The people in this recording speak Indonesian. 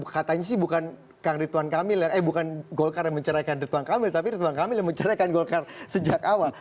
katanya sih bukan golkar yang menceraikan ridwan kamil tapi ridwan kamil yang menceraikan golkar sejak awal